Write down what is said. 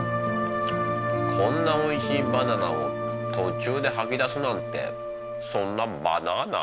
こんなおいしいバナナを途中ではき出すなんてそんなバナナ！